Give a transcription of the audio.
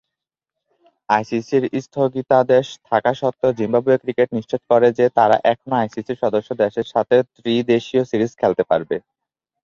আইসিসির স্থগিতাদেশ থাকা স্বত্ত্বেও জিম্বাবুয়ে ক্রিকেট নিশ্চিত করে যে, তারা এখনও আইসিসি সদস্য দেশের সাথে ত্রি-দেশীয় সিরিজ খেলতে পারবে।